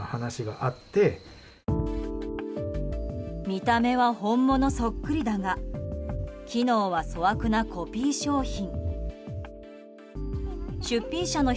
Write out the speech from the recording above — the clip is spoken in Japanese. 見た目は本物そっくりだが機能は粗悪なコピー商品。